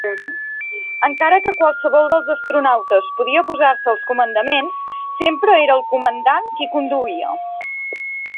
Encara que qualsevol dels astronautes podia posar-se als comandaments, sempre era el Comandant qui conduïa.